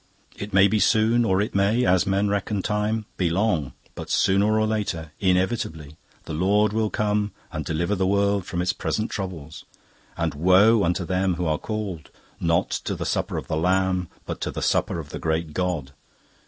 "It may be soon or it may, as men reckon time, be long; but sooner or later, inevitably, the Lord will come and deliver the world from its present troubles. And woe unto them who are called, not to the Supper of the Lamb, but to the Supper of the Great God.